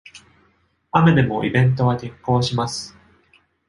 雨でもイベントは決行します